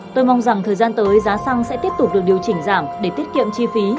tôi mong rằng thời gian tới giá xăng sẽ tiếp tục được điều chỉnh giảm để tiết kiệm chi phí